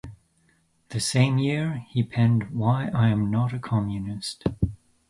The same year, he penned "Why I Am Not a Communist".